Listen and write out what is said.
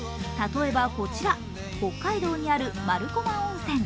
例えばこちら、北海道にある丸駒温泉。